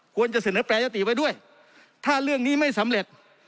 ควรจะเสนอแปรยติไว้ด้วยถ้าเรื่องนี้ไม่สำเร็จ